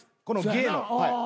この芸の。